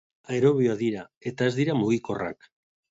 Aerobioak dira eta ez dira mugikorrak.